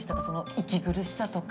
息苦しさとか。